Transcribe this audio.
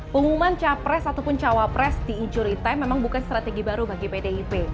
pengumuman capres ataupun cawapres di injury time memang bukan strategi baru bagi pdip